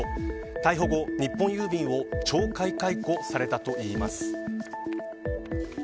逮捕後、日本郵便を懲戒解雇されたといいます。